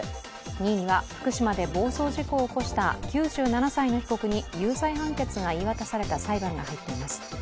２位には、福島で暴走事故を起こした９７歳の被告に有罪判決が言い渡された裁判が入っています。